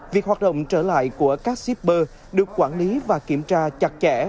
việc hoạt động trở lại của các shipper được quản lý và kiểm tra chặt chẽ